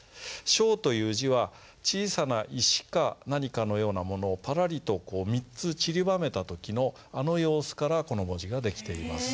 「小」という字は小さな石か何かのようなものをぱらりと３つちりばめた時のあの様子からこの文字が出来ています。